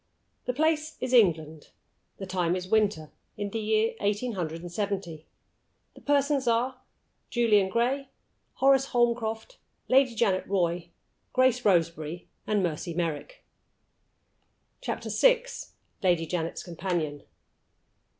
THE place is England. The time is winter, in the year eighteen hundred and seventy. The persons are, Julian Gray, Horace Holmcroft, Lady Janet Roy, Grace Roseberry, and Mercy Merrick. CHAPTER VI. LADY JANET'S COMPANION.